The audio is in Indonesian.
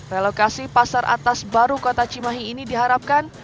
relokasi pasar atas baru kota cimahi ini diharapkan